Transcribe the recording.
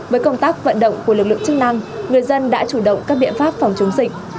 với công tác vận động của lực lượng chức năng người dân đã chủ động các biện pháp phòng chống dịch